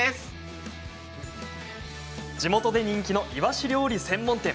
地元で人気のイワシ料理専門店。